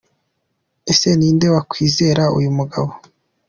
Ese ninde wakwizera uyu mugabo ?